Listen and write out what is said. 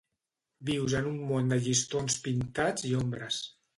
Vius en un món de llistons pintats i ombres.